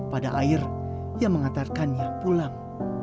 pada air yang mengantarkannya pulang